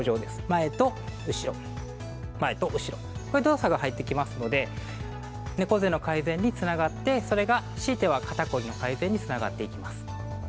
前と後ろ、前と後ろ、こういう動作が入ってきますので、猫背の改善につながって、それがひいては、肩凝りの改善につながっていきます。